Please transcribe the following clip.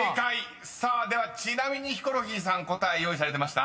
［ではちなみにヒコロヒーさん答え用意されてました？］